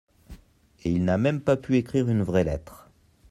Et il n'a même pas pu écrire une vraie lettre.